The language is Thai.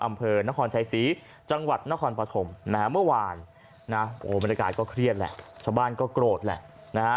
อำเภอนครชัยศรีจังหวัดนครปฐมนะฮะเมื่อวานนะโอ้บรรยากาศก็เครียดแหละชาวบ้านก็โกรธแหละนะฮะ